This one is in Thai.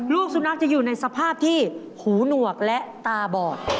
ลูกสุนัขจะอยู่ในสภาพที่หูหนวกและตาบอด